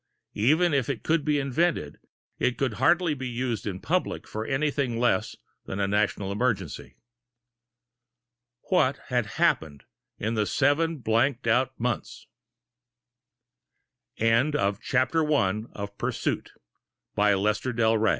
Even if it could be invented, it would hardly be used in public for anything less than a National Emergency. What had happened in the seven blanked out months? II The room was smelly and cheap, with dirty walls